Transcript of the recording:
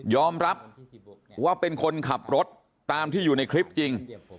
อมรับว่าเป็นคนขับรถตามที่อยู่ในคลิปจริง